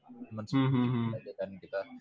temen sepuluh puluh aja kan kita